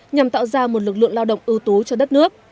nhằm tạo ra một lực lượng lao động ưu tú cho đất nước